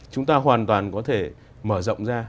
chúng ta hoàn toàn có thể mở rộng ra